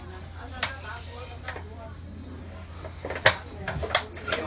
กินกลับที่สุดเดี๋ยวให้ร่วมแคบเวลา